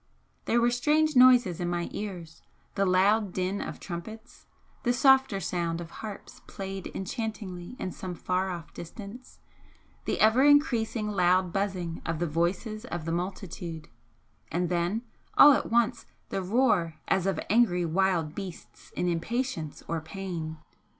There were strange noises in my ears, the loud din of trumpets the softer sound of harps played enchantingly in some far off distance the ever increasing loud buzzing of the voices of the multitude and then all at once the roar as of angry wild beasts in impatience or pain.